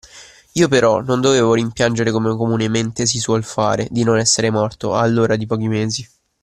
Io però non dovevo rimpiangere come comunemente si suol fare, di non esser morto, allora di pochi mesi.